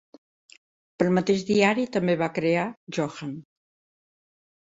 Per al mateix diari, també va crear "Johan".